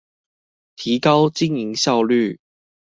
提高經營效率